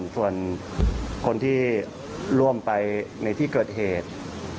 ส่วนคนที่ร่วมไปในที่เกิดเหตุ